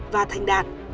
và thành đạt